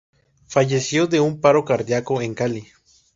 Falleció de un paro cardíaco en Cali.